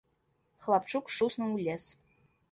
Хлапчук шуснуў у лес.